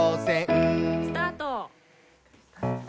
・スタート！